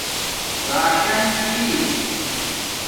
راشنئ چھی